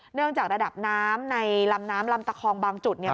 เนื่องจากระดับน้ำในลำน้ำลำตะคองบางจุด